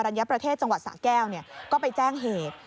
อรัญญาประเทศจังหวัดสาแก้วเนี่ยก็ไปแจ้งเหตุ